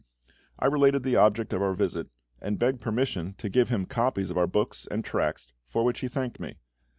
I related the object of our visit, and begged permission to give him copies of our books and tracts, for which he thanked me.